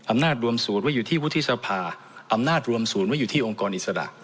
อำนาจรวมศูนย์ว่าอยู่ที่วุฒิสภาอำนาจรวมศูนย์ว่าอยู่ที่องค์กรอิสระ